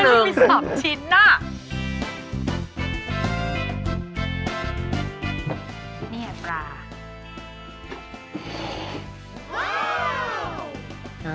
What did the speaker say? นี่ทำไมมีสามชิ้นอ่ะ